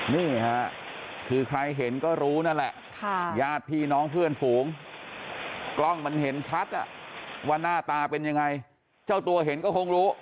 นี่ค่ะคือใครเห็นก็รู้นั่นแหละญาติพี่น้องเพื่อนฝูงกล้องมันเห็นชัดว่าหน้าตาเป็นยังไงเจ้าตัวเห็นก็คงรู้